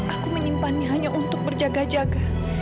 aku menyimpannya hanya untuk berjaga jaga